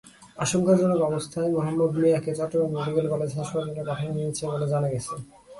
আশঙ্কাজনক অবস্থায় মোহাম্মদ মিয়াকে চট্টগ্রাম মেডিকেল কলেজ হাসপাতালে পাঠানো হয়েছে বলে জানা গেছে।